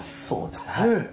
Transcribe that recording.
そうですねはい。